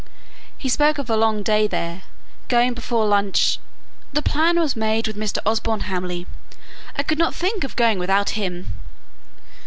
He spoke of a long day there, going before lunch " "The plan was made with Mr. Osborne Hamley. I could not think of going without him!"